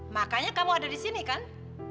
makanya kamu ada disini ken